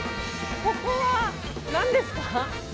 ここは何ですか？